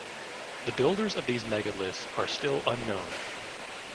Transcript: The builders of these megaliths are still unknown.